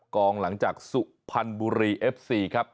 กองหลังจากสุพันบุรีเอฟซีครับ